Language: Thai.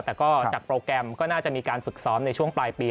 แต่ก็จากโปรแกรมก็น่าจะมีการฝึกซ้อมในช่วงปลายปี